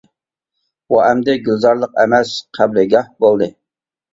بۇ ئەمدى گۈلزارلىق ئەمەس، قەبرىگاھ بولدى.